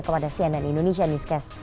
kepada cnn indonesia newscast